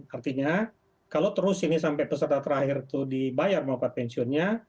artinya kalau terus ini sampai peserta terakhir itu dibayar mau apa pensiunnya